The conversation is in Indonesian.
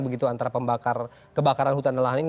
begitu antara pembakar kebakaran hutan dan lahan ini